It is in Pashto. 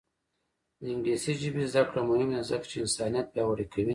د انګلیسي ژبې زده کړه مهمه ده ځکه چې انسانیت پیاوړی کوي.